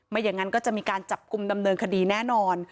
อย่างนั้นก็จะมีการจับกลุ่มดำเนินคดีแน่นอน